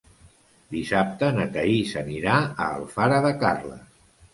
Dissabte na Thaís anirà a Alfara de Carles.